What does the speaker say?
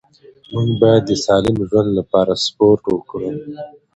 موږ باید د سالم ژوند لپاره سپورت وکړو